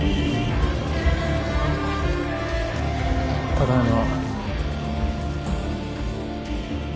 ただいま。